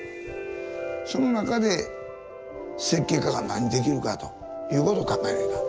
その中で設計家が何できるかということを考えないかんと。